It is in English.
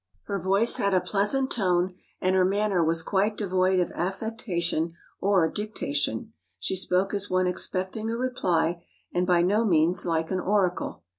Her voice had a pleasant tone, and her manner was quite devoid of affectation or dictation; she spoke as one expecting a reply, and by no means like an oracle.